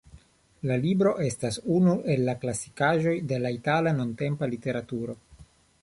La libro estas unu el la klasikaĵoj de la itala nuntempa literaturo.